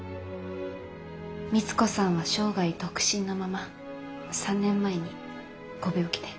光子さんは生涯独身のまま３年前にご病気で。